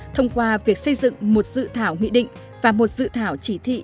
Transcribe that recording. thông qua việc xây dựng một dự thảo nghị định và một dự thảo chỉ thị